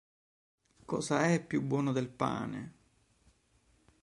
Cosa è più buono del pane?